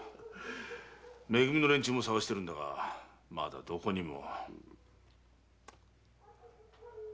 め組の連中も捜しているがまだどこにも。